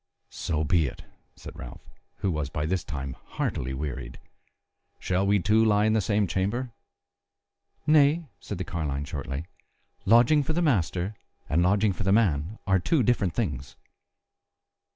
"So be it," said Ralph, who was by this time heartily wearied, "shall we two lie in the same chamber?" "Nay," said the carline shortly, "lodging for the master and lodging for the man are two different things."